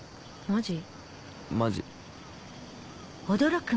マジ。